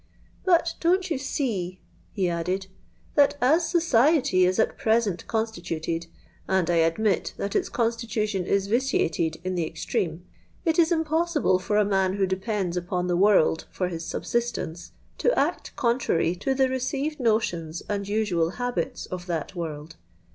'But don't you see,' he added, 'that as society is at present constituted, and I admit that its constitution is vitiated in the extreme, it is impossible for a man who depends upon the world for his subsistence, to act contrary to the received notions and usual habits of that world.